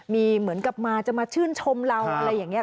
มีเหมือนกับมาจะมาชื่นชมเราอะไรอย่างนี้